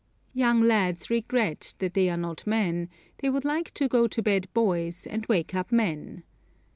Young lads regret that they are not men; they would like to go to bed boys and wake up men.